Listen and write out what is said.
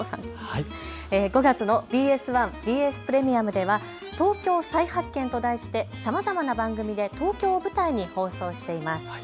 ５月のＢＳ１ＢＳプレミアムでは東京再発展と題してさまざまな番組で東京を舞台に放送しています。